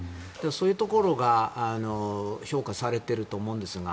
そういうところが評価されていると思いますが。